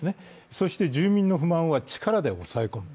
そして住民の不満は力で抑え込む。